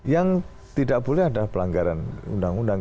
yang tidak boleh ada pelanggaran undang undang